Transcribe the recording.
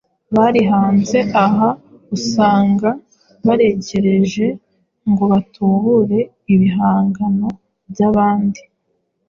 bari hanze aha usanga barekereje ngo batubure ibihangano by’abandi